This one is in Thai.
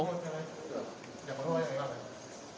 อยากขอโทษอะไรอยากขอโทษอะไรบ้าง